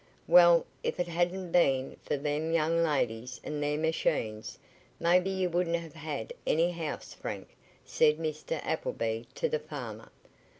"Well, if it hadn't been fer them young ladies and their machines, maybe you wouldn't have had any house, Frank," said Mr. Appleby to the farmer.